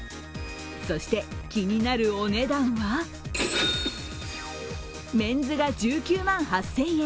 そして、気になるお値段はメンズが１９万８０００円